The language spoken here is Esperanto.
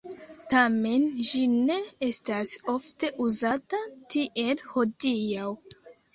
Tamen ĝi ne estas ofte uzata tiel hodiaŭ.